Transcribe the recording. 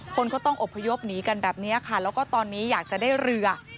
คนก็ต้องอบพยพหนีกันแบบนี้ค่ะแล้วก็ตอนนี้อยากจะได้เรือ